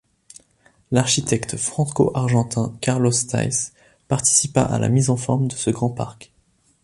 L'architecte franco-argentin Carlos Thays participa à la mise en forme de ce grand parc.